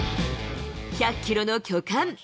１００キロの巨漢。